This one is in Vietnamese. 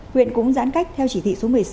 huyện cũng giãn cách theo chỉ thị số một mươi sáu